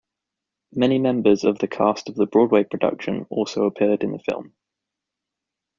Many members of the cast of the Broadway production also appeared in the film.